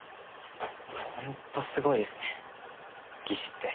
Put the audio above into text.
ホントすごいですね技師って。